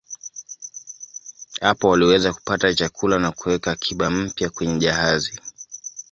Hapa waliweza kupata chakula na kuweka akiba mpya kwenye jahazi.